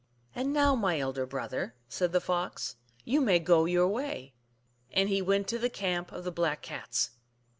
" And now, my elder brother," said the Fox, " you may go your way." And he went to the camp of the Black Cats.